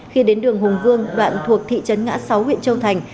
khi đến đường hùng vương đoạn thuộc thị trấn ngã sáu huyện châu thành